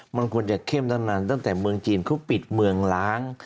มันควรจะเข้มตั้งนานตั้งแต่เมืองจีนเขาปิดเมืองล้าง